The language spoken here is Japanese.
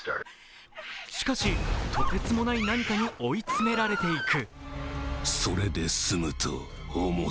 しかし、とてつもない何かに追い詰められていく。